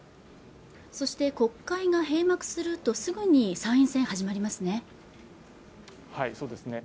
そして国会が閉幕するとすぐに参院選始まりますね